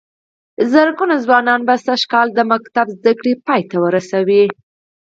زرګونه زلميان به سږ کال د ښوونځي زدهکړې پای ته ورسوي.